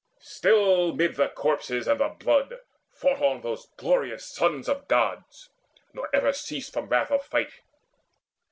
Still mid the corpses and the blood fought on Those glorious sons of Gods, nor ever ceased From wrath of fight.